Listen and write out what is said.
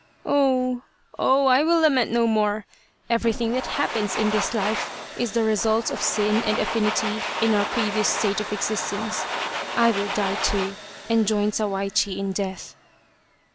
" Oh, oh, I will lament no more. Everything that happens in this life is the result of sin and affinity in our previous state of existence. I will die too, and join Sawaichi in death."